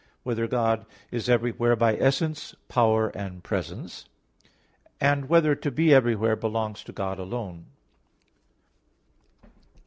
(3) Whether God is everywhere by essence, power, and presence? (4) Whether to be everywhere belongs to God alone?